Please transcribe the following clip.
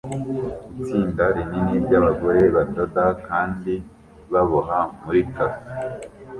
Itsinda rinini ryabagore badoda kandi baboha muri cafe